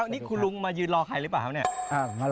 นี่คุณลุงมายืนรอใครหรือเปล่า